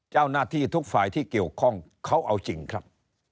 เจ้าหน้าที่ทุกฝ่ายที่เกี่ยวข้องเขาเอาจริงครับ